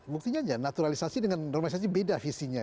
buktinya aja naturalisasi dengan normalisasi beda visinya